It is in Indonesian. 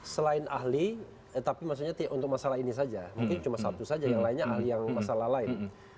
selain ahli tapi maksudnya untuk masalah ini saja mungkin cuma satu saja yang lainnya yang masalah lain